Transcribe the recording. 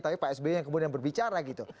tapi pak sby yang kemudian berbicara gitu